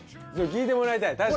そう聞いてもらいたい。